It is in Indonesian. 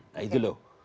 nah itu loh